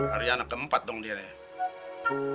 ari anak keempat dong dia deh